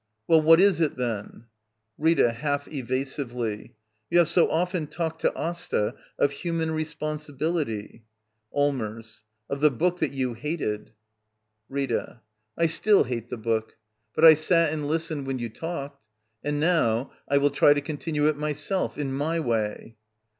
Well, what is it, then? Rita. [Half evasively.] You have so often talked to Asta of human responsibility — Allmers. Of the book that you hated. 109 Digitized by VjOOQIC LITTLE EYOLF ^ Act iil Rita. I still hate the book. But I sat and lis tened when you talked. And now I will try to con tinue it myself — in my way.